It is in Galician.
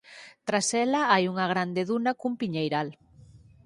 Tras ela hai unha grande duna cun piñeiral.